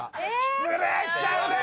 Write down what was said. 失礼しちゃうね！